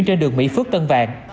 trên đường mỹ phước tân vàng